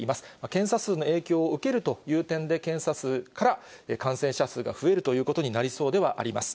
検査数の影響を受けるという点で、検査数から感染者数が増えるということになりそうではあります。